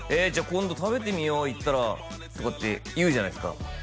「今度食べてみよう行ったら」とかって言うじゃないですか